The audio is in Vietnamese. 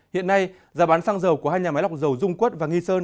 hiện nay giá bán xăng dầu của hai nhà máy lọc dầu dung quất và nghi sơn